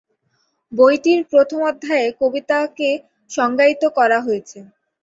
বইটির প্রথম অধ্যায়ে কবিতাকে সংজ্ঞায়িত করা হয়েছে।